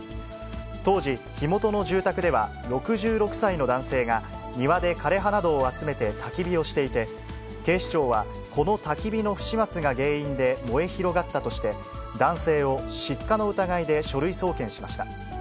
当時、火元の住宅では、６６歳の男性が庭で枯れ葉などを集めてたき火をしていて、警視庁はこのたき火の不始末が原因で燃え広がったとして、男性を失火の疑いで書類送検しました。